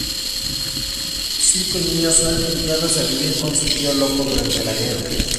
Cinco niños son enviados a vivir con su tío loco durante la guerra.